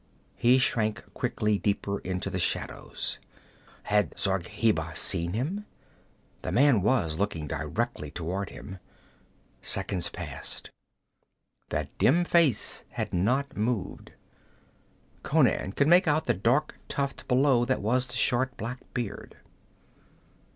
He shrank quickly deeper into the shadows. Had Zargheba seen him? The man was looking directly toward him. Seconds passed. That dim face had not moved. Conan could make out the dark tuft below that was the short black beard.